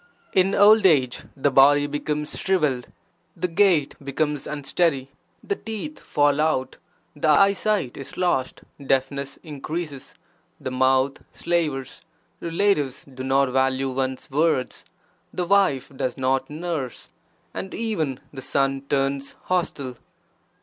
(In old age) the body becomes shrivelled, the gait becomes unsteady, the teeth fall out, the eye sight is lost, deafness increases, the mouth slavers, relatives do not value (one's) words, the wife does not nurse, and even the son turns hostile.